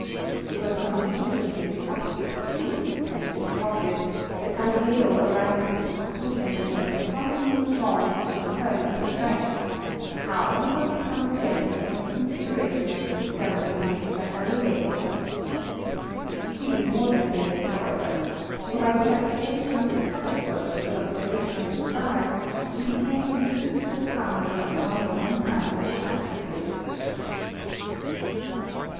It was from the use of his "optik tube," as he called it, that Galileo arrived at the conclusion that Ptolemy was wrong and Copernicus right — how will become apparent from a consideration of the discoveries made by Galileo. He did more than this, how ever; for by the application of the telescope to the observa tion of the stars he became in truth the founder of our modern science of astrophysics.